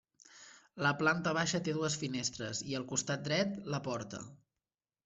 La planta baixa té dues finestres i al costat dret, la porta.